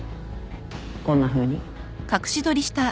こんなふうに。